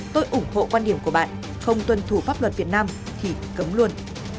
tôi ủng hộ quan điểm của bạn không tuân thủ pháp luật việt nam khi cấm luôn